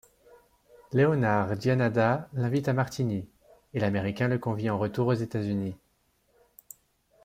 Léonard Gianadda l'invite à Martigny et l'Américain le convie en retour aux États-Unis.